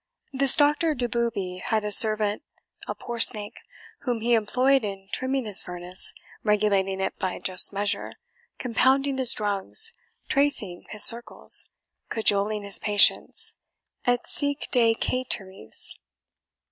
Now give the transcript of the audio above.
This Doctor Doboobie had a servant, a poor snake, whom he employed in trimming his furnace, regulating it by just measure compounding his drugs tracing his circles cajoling his patients, ET SIC ET CAETERIS.